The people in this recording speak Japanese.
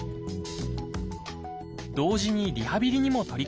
同時にリハビリにも取り組みました。